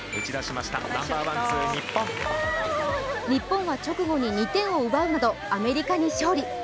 日本は直後に２点を奪うなどアメリカに勝利。